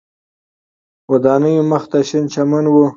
ودانیو مخ ته شین چمن و.